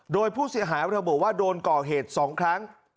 โดยผู้เสียหายระบุว่าโดนก่อเหตุ๒ครั้ง